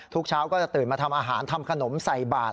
เช้าก็จะตื่นมาทำอาหารทำขนมใส่บาท